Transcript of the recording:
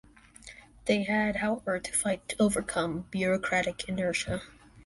They had, however, to fight to overcome bureaucratic inertia.